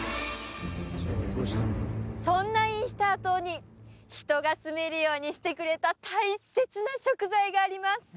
そんなイースター島に人が住めるようにしてくれた大切な食材があります